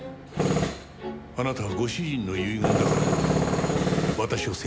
あなたはご主人の遺言だからと私を仙台に呼んだ。